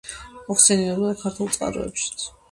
მოხსენიებულია ქართულ წყაროებშიც.